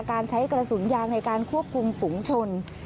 การใช้กระสุนยางในการควบคุมฝุงชน